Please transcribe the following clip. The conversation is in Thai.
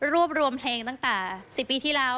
รวมเพลงตั้งแต่๑๐ปีที่แล้ว